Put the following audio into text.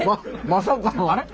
まさかの。